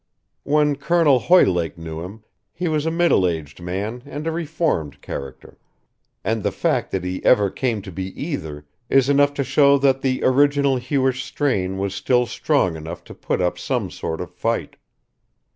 When Colonel Hoylake knew him he was a middle aged man and a reformed character, and the fact that he ever came to be either is enough to show that the original Hewish strain was still strong enough to put up some sort of fight.